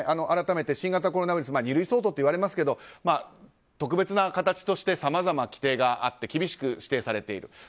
改めて新型コロナウイルス二類相当といわれますが特別な形としてさまざま規定があって厳しく指定されている。